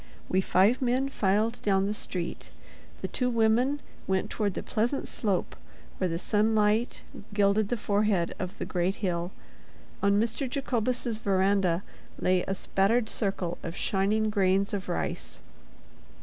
We five men filed down the street. The two women went toward the pleasant slope where the sunlight gilded the forehead of the great hill. On Mr. Jacobus's veranda lay a spattered circle of shining grains of rice.